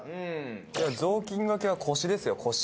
雑巾掛けは腰ですよ腰。